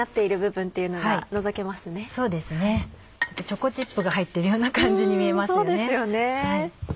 チョコチップが入ってるような感じに見えますよね。